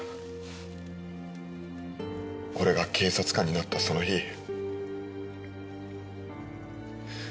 俺が警察官になったその日。